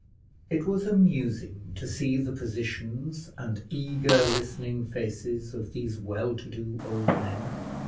It was amusing to see the positions, and eager listening faces of these well to do old men.